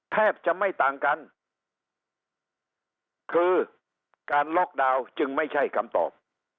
แทบจะไม่ต่างกันคือการล็อกดาวน์จึงไม่ใช่คำตอบ